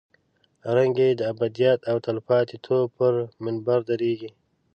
رنګ یې د ابدیت او تلپاتې توب پر منبر درېږي.